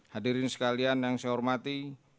hadirin sekalian yang saya hormati